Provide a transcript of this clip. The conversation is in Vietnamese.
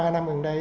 ba năm gần đây